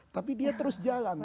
tapi dia terus jalan